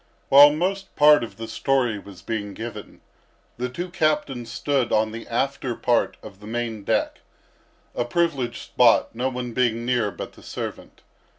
While most part of the story was being given, the two captains stood on the after part of the main deck, a privileged spot, no one being near but the servant.